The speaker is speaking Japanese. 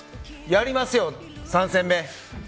やりますよ、３戦目。